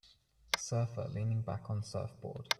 Surfer leaning back on surfboard.